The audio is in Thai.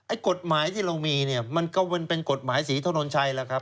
ไอ้กฎหมายที่เรามีเนี่ยมันก็เป็นเป็นกฎหมายสีถนนชัยแหละครับ